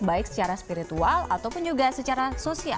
baik secara spiritual ataupun juga secara sosial